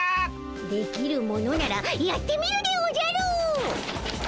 できるものならやってみるでおじゃる！